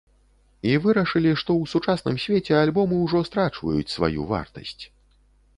І вырашылі, што ў сучасным свеце альбомы ўжо страчваюць сваю вартасць.